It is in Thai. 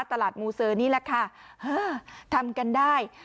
ตลาดมูเสอนี่แหละค่ะทำกันได้